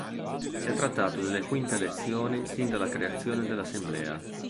Si è trattato delle quinte elezioni sin dalla creazione dell'Assemblea.